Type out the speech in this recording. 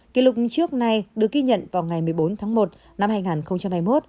kỷ lục trước nay được ghi nhận vào ngày một mươi bốn tháng một năm hai nghìn hai mươi một